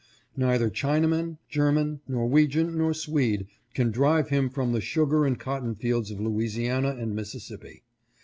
Neither Chinaman, German, Norwegian, nor Swede can drive him from the sugar and cotton fields of Louisiana and Missis sippi.